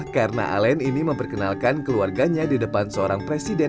karena alen ini memperkenalkan keluarganya di depan seorang presiden